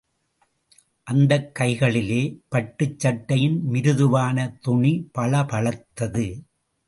அந்தக் கைகளிலே பட்டுச் சட்டையின் மிருதுவான துணி பளபளத்தது.